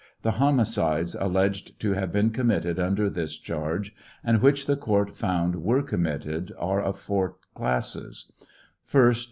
The homicides alleged to have been committed under this charge, and which the court found were committed, are of four classes : First.